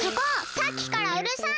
さっきからうるさい！